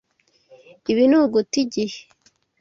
Ibi ni uguta igihe.